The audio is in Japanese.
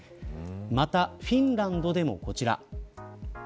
また、フィンランドでもこちら。